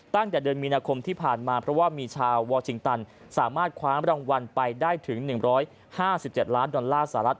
ตั้งแต่เดือนมีนาคมที่ผ่านมาเพราะว่ามีชาววอร์ชิงตันสามารถคว้ารางวัลไปได้ถึง๑๕๗ล้านดอลลาร์สหรัฐ